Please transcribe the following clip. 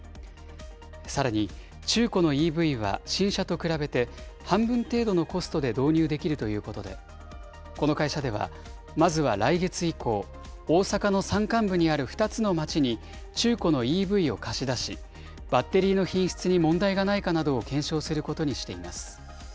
さらに、中古のＥＶは新車と比べて半分程度のコストで導入できるということで、この会社では、まずは来月以降、大阪の山間部にある２つの町に中古のＥＶを貸し出し、バッテリーの品質に問題がないかなどを検証することにしています。